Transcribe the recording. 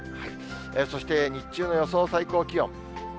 そして日中の予想最高気温。